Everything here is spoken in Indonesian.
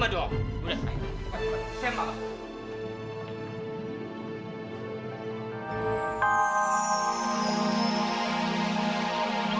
udah ayo cepat cepat saya maaf